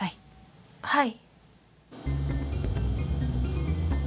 はい。